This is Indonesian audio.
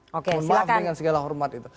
mohon maaf dengan segala hormat itu